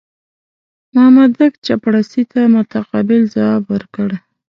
مامدک چپړاسي ته متقابل ځواب ورکړ.